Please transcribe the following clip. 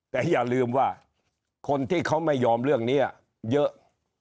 แต่อย่าลืมว่าคนที่เขาไม่ยอมเรื่องนี้เยอะ